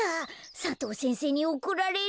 佐藤先生におこられる！